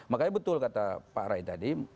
makanya betul kata pak rai tadi